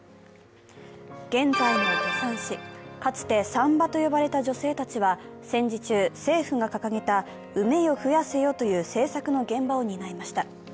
現在の助産師、かつて産婆と呼ばれた女性たちは、戦時中、政府が掲げた「産めよ殖やせよ」という政策の現場を担いました。